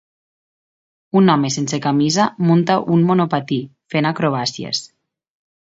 Un home sense camisa munta un monopatí, fent acrobàcies.